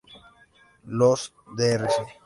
Los Drs.